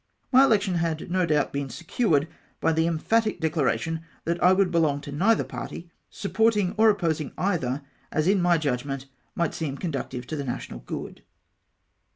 My election had no doubt been secured by the emphatic declaration, that I would belong to neither party, sup porting or opposing either as in my judgment might seem conducive to the national good.